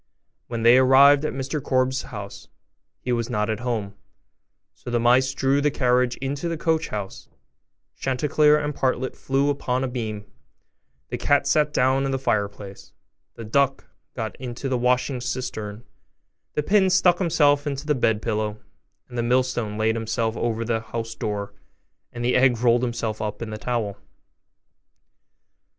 When they arrived at Mr Korbes's house, he was not at home; so the mice drew the carriage into the coach house, Chanticleer and Partlet flew upon a beam, the cat sat down in the fireplace, the duck got into the washing cistern, the pin stuck himself into the bed pillow, the millstone laid himself over the house door, and the egg rolled himself up in the towel.